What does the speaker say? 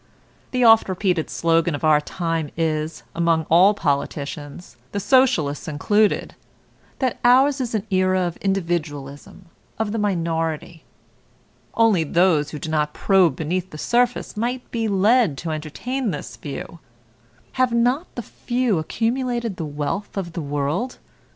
The oft repeated slogan of our time is, among all politicians, the Socialists included, that ours is an era of individualism, of the minority. Only those who do not probe beneath the surface might be led to entertain this view. Have not the few accumulated the wealth of the world?